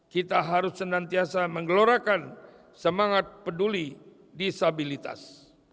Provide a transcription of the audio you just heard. kita harus senantiasa menggelorakan semangat peduli disabilitas